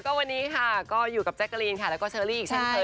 ก็วันนี้ค่ะก็อยู่กับแจ๊คกะรีนค่ะแล้วก็เชอรี่อีกแทนเทยนะครับ